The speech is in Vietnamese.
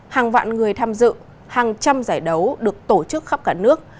hàng vạn người tham dự hàng trăm giải đấu được tổ chức khắp cả nước